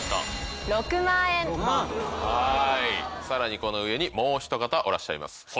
さらにこの上にもう一方いらっしゃいます。